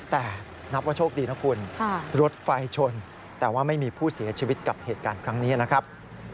แต่นับว่าโชคดีนะคุณรถไฟชนแต่ว่าไม่มีผู้เสียชีวิตกับเหตุการณ์ครั้งนี้นะครับ